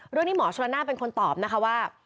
เรื่องนี้หมอชนน่าเป็นคนตอบนะคะว่า